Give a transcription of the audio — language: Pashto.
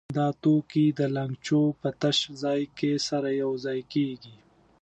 دا توکي د لګنچو په تش ځای کې سره یو ځای کېږي.